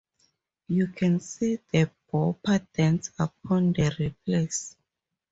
You can see the bobber dance upon the ripples.